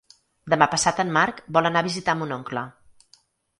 Demà passat en Marc vol anar a visitar mon oncle.